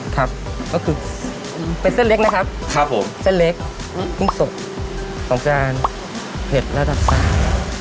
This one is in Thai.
ครับก็คือเป็นเส้นเล็กนะครับครับผมเส้นเล็กกุ้งสดของจานเผ็ดระดับสาม